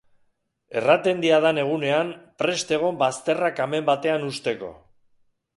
Erraten diadan egunean, prest egon bazterrak amen batean husteko.